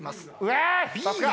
えっ！